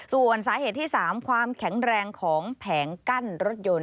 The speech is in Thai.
ส่วนสาเหตุที่๓ความแข็งแรงของแผงกั้นรถยนต์